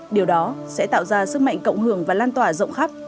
điều đó sẽ tạo ra sức mạnh cộng hưởng và lan tỏa rộng khắp